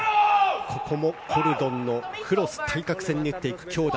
ここもコルドンのクロス対角線に打っていく強打。